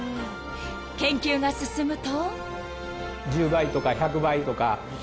［研究が進むと］